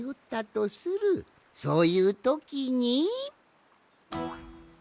そういうときに。